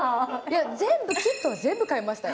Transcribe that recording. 全部、キットは全部買いましたよ。